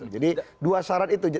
jadi dua syarat itu